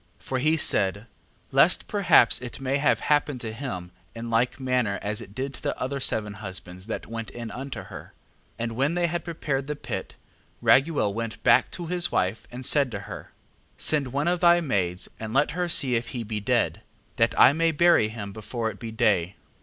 8:12. For he said: Lest perhaps it may have happened to him, in like manner as it did to the other seven husbands, that went in unto her. 8:13. And when they had prepared the pit, Raguel went back to his wife, and said to her: 8:14. Send one of thy maids, and let her see if he be dead, that I may bury him before it be day.